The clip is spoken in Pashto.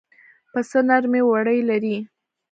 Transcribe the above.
پسه نرمې وړۍ لري.